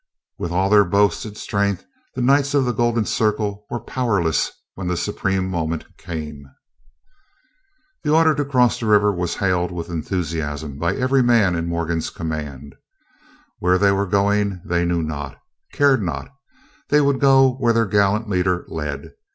With all their boasted strength, the Knights of the Golden Circle were powerless when the supreme moment came. The order to cross the river was hailed with enthusiasm by every man in Morgan's command. Where they were going they knew not, cared not; they would go where their gallant leader led.